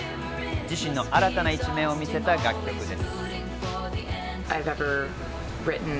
自身の新たな一面を見せた楽曲です。